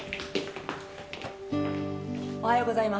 おはようございます。